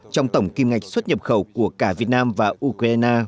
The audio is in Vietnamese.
trong tổng kim ngạch xuất nhập khẩu của cả việt nam và ukraine